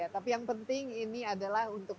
tapi yang penting ini adalah untuk